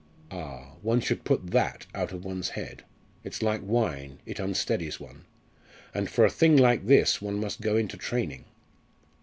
ah! one should put that out of one's head. It's like wine it unsteadies one. And for a thing like this one must go into training.